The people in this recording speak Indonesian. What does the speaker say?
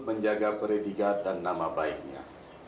menjaga predikat dan nama baiknya